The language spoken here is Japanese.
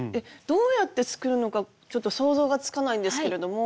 どうやって作るのかちょっと想像がつかないんですけれども。